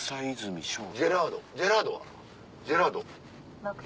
ジェラートジェラートは？